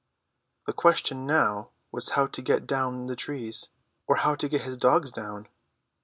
The question now was how to get down the trees, or how to get his dogs down?